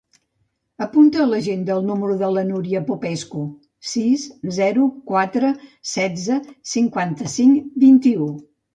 Apunta a l'agenda el número de la Núria Popescu: sis, zero, quatre, setze, cinquanta-cinc, vint-i-u.